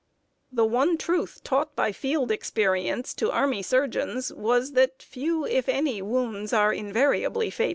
The one truth, taught by field experience to army surgeons, was that few, if any, wounds are invariably fatal.